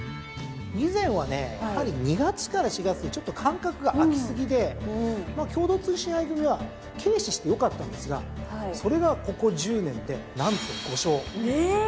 以前はやはり２月から４月とちょっと間隔が空き過ぎで共同通信杯組は軽視してよかったんですがそれがここ１０年で何と５勝。